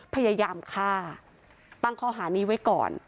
พยายามฆ่าตั้งข้อหานี้ไว้ก่อน